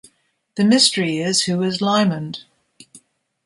The mystery is who is Lymond?